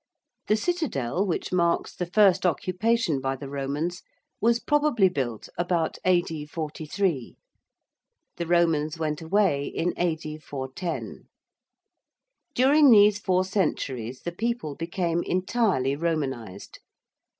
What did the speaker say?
The Citadel, which marks the first occupation by the Romans, was probably built about A.D. 43. The Romans went away in A.D. 410. During these four centuries the people became entirely Romanised.